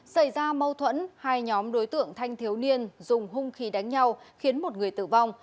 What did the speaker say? xảy ra mâu thuẫn hai nhóm đối tượng thanh thiếu niên dùng hung khí đánh nhau khiến một người tử vong